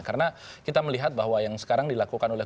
karena kita melihat bahwa yang sekarang dilakukan oleh